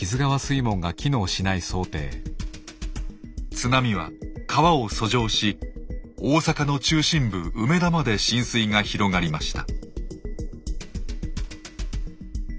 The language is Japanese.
津波は川を遡上し大阪の中心部梅田まで浸水が広がりました。